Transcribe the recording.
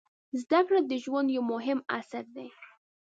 زده کړه د ژوند یو مهم عنصر دی.